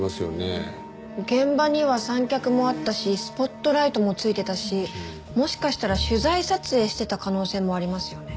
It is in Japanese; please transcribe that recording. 現場には三脚もあったしスポットライトもついてたしもしかしたら取材撮影してた可能性もありますよね。